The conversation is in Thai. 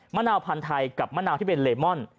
มะนาวพันธุ์ไทยกับมะนาวที่เป็นเลมอน